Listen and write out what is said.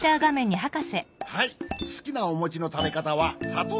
はいすきなおもちのたべかたはさとうじょうゆ。